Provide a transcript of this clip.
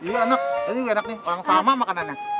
hmm ini enak ini enak nih orang sama makanannya